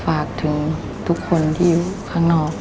ฝากถึงทุกคนที่อยู่ข้างนอก